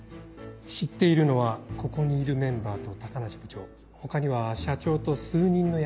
知っているのはここにいるメンバーと高梨部長他には社長と数人の役員のみ。